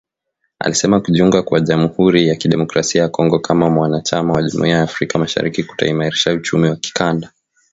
Alisema kujiunga kwa Jamuhuri ya Kidemokrasia ya Kongo kama mwanachama wa Jumuiya ya Afrika Mashariki kutaimarisha uchumi wa kikanda